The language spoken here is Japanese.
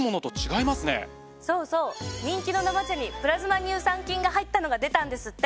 そうそう人気の生茶にプラズマ乳酸菌が入ったのが出たんですって。